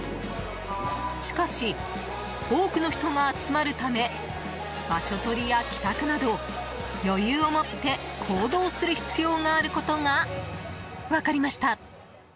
しかし、多くの人が集まるため場所取りや帰宅など余裕を持って行動する必要があることが分かりました。